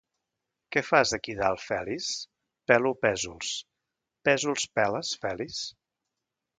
Què fas aquí dalt, Fèlix? —Pelo Pèsols. —Pèsols peles, Fèlix?